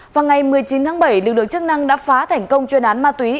vào ngày một mươi chín tháng bảy lực lượng chức năng đã phá thành công chuyên án ma túy